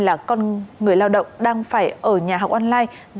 là con người lao động đang phải ở nhà học online